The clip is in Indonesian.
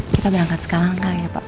kita berangkat sekarang kali ya pak